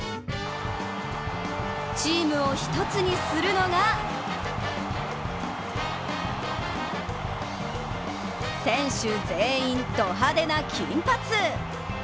チームを一つにするのが選手全員ド派手な金髪。